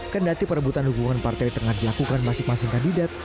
kendati perebutan dukungan partai tengah dilakukan masing masing kandidat